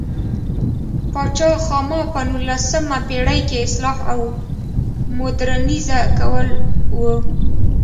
پاچا خاما په نولسمه پېړۍ کې اصلاح او مودرنیزه کول و.